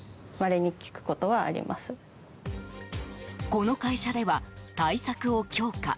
この会社では対策を強化。